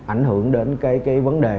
ảnh hưởng đến vấn đề